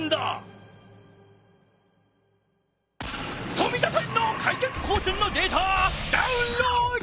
冨田さんの開脚後転のデータダウンロード！